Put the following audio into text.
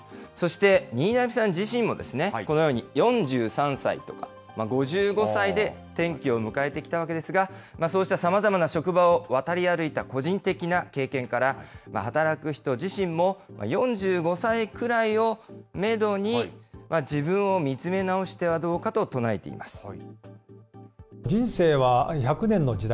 そして新浪さん自身も、このように、４３歳とか５５歳で転機を迎えてきたわけですが、そうしたさまざまな職場を渡り歩いた個人的な経験から、働く人自身も４５歳くらいをメドに、自分を見つめ直してはどうかと唱えています。